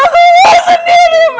aku mau sendiri mama